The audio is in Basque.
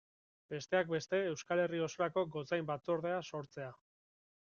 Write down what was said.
Besteak beste Euskal Herri osorako gotzain batzordea sortzea.